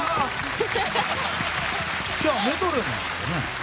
今日はメドレーだよね。